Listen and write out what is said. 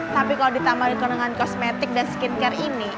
tapi kalau ditambahin ke dengan kosmetik dan skincare ini